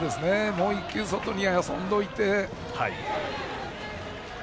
もう１球外に遊んでおいて。